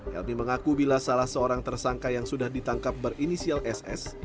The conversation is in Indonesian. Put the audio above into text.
helmi mengaku bila salah seorang tersangka yang sudah ditangkap berinisial ss